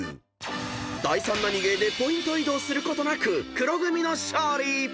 ［第３ナニゲーでポイント移動することなく黒組の勝利！］